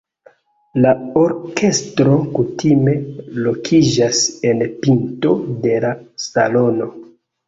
La orkestro kutime lokiĝas en pinto de la salono.